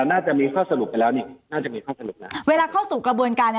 น่าจะมีข้อสรุปไปแล้วนี่น่าจะมีข้อสรุปแล้วเวลาเข้าสู่กระบวนการเนี้ย